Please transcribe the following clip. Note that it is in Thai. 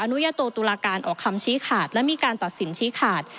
นุญาโตตุลาการออกคำชี้ขาดและมีการตัดสินชี้ขาด